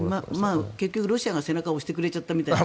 結局ロシアが背中を押してくれちゃったみたいな。